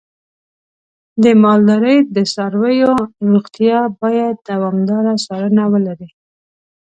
د مالدارۍ د څارویو روغتیا باید دوامداره څارنه ولري.